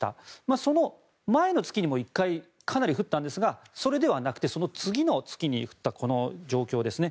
その前の月にも１回かなり降ったんですがそれではなくてその次の月に降ったこの状況ですね。